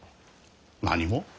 何も？